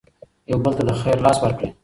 يو بل ته د خير لاس ورکړئ.